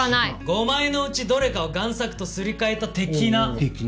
５枚のうちどれかを贋作とすり替えた的な。的な。